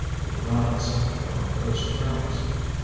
He would not accept her on those terms.